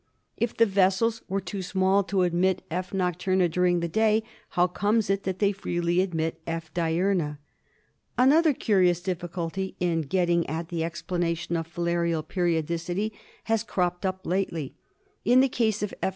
If the vessels are too small to admit F, nocturna during the day, how comes it that they freely admit F. diurna ? Another curious difficulty in getting at the explanation of filarial periodicity has cropped up lately. In the case of F.